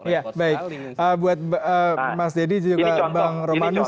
ya baik buat mas deddy juga bang romanus